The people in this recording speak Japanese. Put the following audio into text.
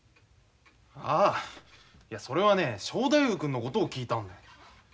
ああいやそれはねえ正太夫君のことを聞いたんだ。